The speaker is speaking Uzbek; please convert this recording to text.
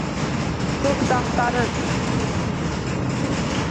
Ko’k daftarin